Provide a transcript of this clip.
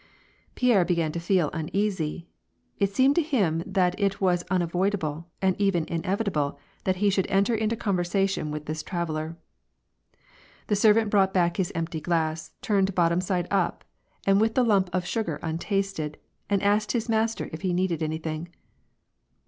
Pierre began to feel uneasy : it seemed to him that it was unavoidable, and even inevitable, that he should enter into conversation with this traveller. The servant brought back his empty glass, turned bottom side up, and with the lump of sugar untasted, and asked his master if he needed anything.